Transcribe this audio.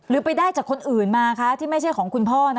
ไปได้จากคนอื่นมาคะที่ไม่ใช่ของคุณพ่อนะ